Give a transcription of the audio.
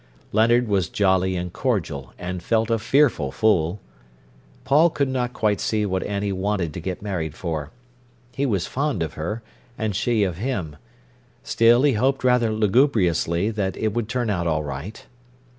Leonard was jolly and cordial, and felt a fearful fool. Paul could not quite see what Annie wanted to get married for. He was fond of her, and she of him. Still, he hoped rather lugubriously that it would turn out all right.